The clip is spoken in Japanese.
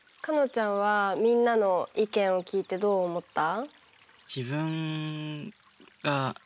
ちゃんはみんなの意見を聞いてどう思った？